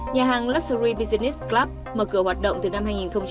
nhà hàng luxury business club mở cửa hoạt động từ năm hai nghìn một mươi